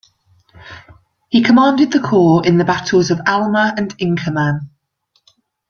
He commanded the corps in the battles of Alma and Inkerman.